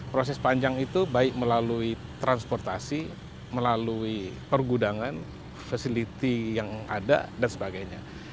proses panjang itu baik melalui transportasi melalui pergudangan facility yang ada dan sebagainya